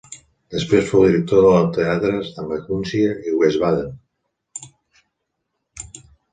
Després fou director dels teatres de Magúncia i Wiesbaden.